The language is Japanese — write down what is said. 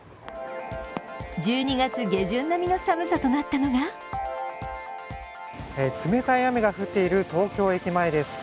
１２月下旬並みの寒さとなったのが冷たい雨が降っている東京駅前です。